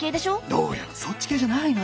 どうやらそっち系じゃないのよ！